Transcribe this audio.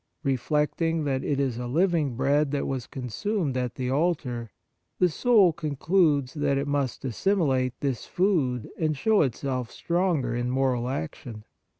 Reflecting that it is living bread that was consumed at the altar, the soul concludes that it must assimilate this food and show itself stronger in moral action.